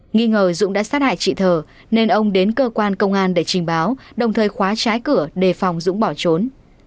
nghi ngờ dũng đã sát hại chị thờ nên ông đến cơ quan công an để trình báo đồng thời khóa trái cửa đề phòng dũng bỏ trốn